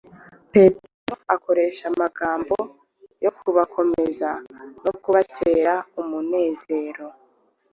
petero akoresheje amagambo yo kubakomeza no kubatera umunezero